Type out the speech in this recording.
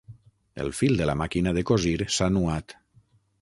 El fil de la màquina de cosir s'ha nuat.